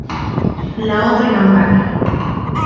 La otra campana.